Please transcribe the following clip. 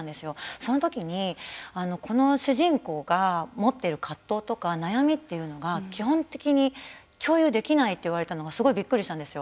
そのときに、この主人公が持っている葛藤とか悩みというのが基本的に共有できないと言われたのがすごいびっくりしたんですよ。